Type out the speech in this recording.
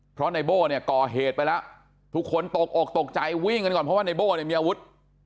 เพราะในโบ้เนี่ยก่อเหตุไปแล้วทุกคนตกอกตกใจวิ่งกันก่อนเพราะว่าในโบ้เนี่ยมีอาวุธ